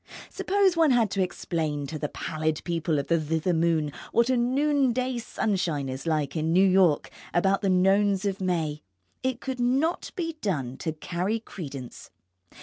Suppose one had to explain to the pallid people of the thither moon what a noonday sunshine is like in New York about the Nones of May? It could not be done to carry credence.